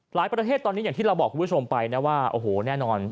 ประเทศตอนนี้อย่างที่เราบอกคุณผู้ชมไปนะว่าโอ้โหแน่นอน